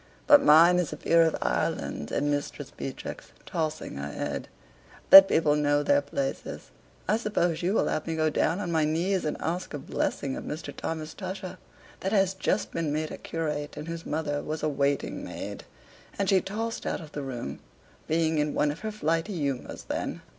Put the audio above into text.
"But mine is a peer of Ireland," says Mistress Beatrix, tossing her head. "Let people know their places. I suppose you will have me go down on my knees and ask a blessing of Mr. Thomas Tusher, that has just been made a curate and whose mother was a waiting maid." And she tossed out of the room, being in one of her flighty humors then.